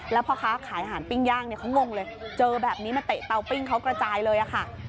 แล้วพ่อค้าขายอาหารปิ้งย่างเขางงเลยเจอแบบนี้มาเตะเตาปิ้งเขากระจายเลยค่ะ